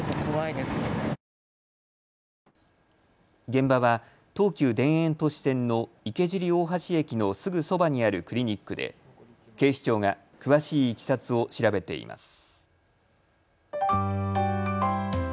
現場は東急田園都市線の池尻大橋駅のすぐそばにあるクリニックで警視庁が詳しいいきさつを調べています。